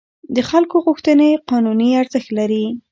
د خلکو غوښتنې قانوني ارزښت لري.